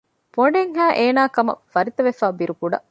ބޮނޑެއް ހައި އޭނާ ކަމަށް ފަރިތަވެފައި ބިރުކުޑަ